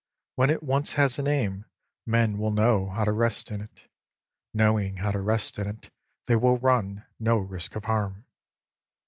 When it once has a name, men will know how to rest in it. Knowing how to rest in it, they will run no risk of harm.